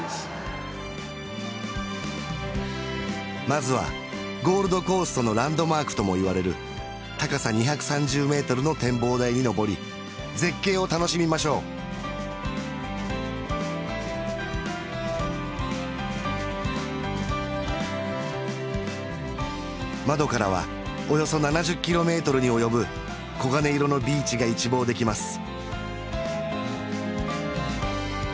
まずはゴールドコーストのランドマークともいわれる高さ２３０ｍの展望台に上り絶景を楽しみましょう窓からはおよそ７０ｋｍに及ぶ黄金色のビーチが一望できます